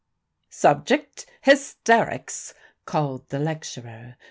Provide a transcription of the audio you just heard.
"Subject: Hysterics!" called the lecturer.